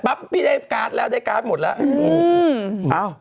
พี่ได้การ์ดแล้วได้การ์ดหมดแล้ว